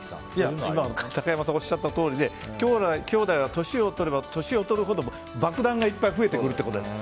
今の竹山さんおっしゃったとおりできょうだいは年を取れば年を取るほど爆弾がいっぱい増えていくということです。